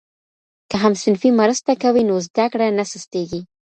که همصنفي مرسته کوي نو زده کړه نه سستېږي.